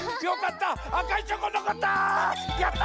よかった。